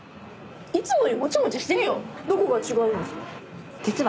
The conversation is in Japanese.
いつもよりモチモチしてるよ。